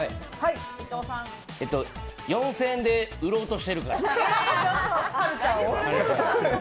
４０００円で売ろうとしてるから。